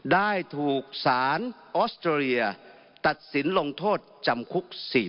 ได้ถูกศาลออสเตอรียตัดสินลงโทษจำคุกสิน